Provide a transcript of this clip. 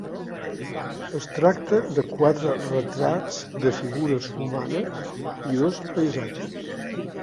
Es tracta de quatre retrats de figures humanes i dos paisatges.